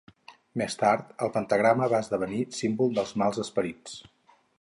Més tard, el pentagrama va esdevenir símbol dels mals esperits.